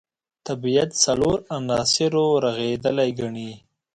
طبیعت څلورو عناصرو رغېدلی ګڼي.